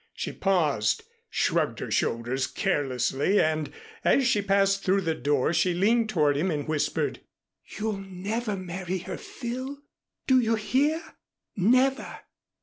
She paused, shrugged her shoulders carelessly and, as she passed through the door, she leaned toward him and whispered. "You'll never marry her, Phil. Do you hear? Never!"